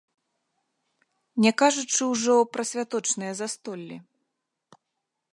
Не кажучы ўжо пра святочныя застоллі.